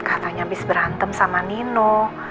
katanya habis berantem sama nino